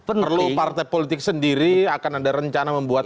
perlu partai politik sendiri akan ada rencana membuat